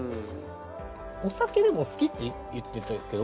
お酒でも好きって言ってたけど。